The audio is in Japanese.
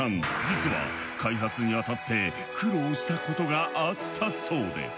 実は開発にあたって苦労したことがあったそうで。